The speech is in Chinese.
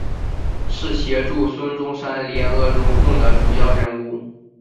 是协助孙中山联俄容共的主要人物。